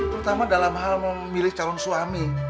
terutama dalam hal memilih calon suami